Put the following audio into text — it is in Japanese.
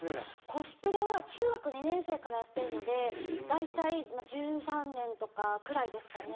コスプレは中学２年生からやってるので大体１３年とかくらいですかね。